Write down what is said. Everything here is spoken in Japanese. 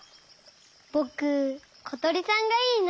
ぼくことりさんがいいな。